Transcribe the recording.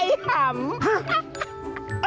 ไอ้หำ